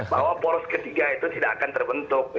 bahwa poros ketiga itu tidak akan terbentuk